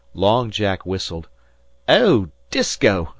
Long Jack whistled. "Oh, Disko!"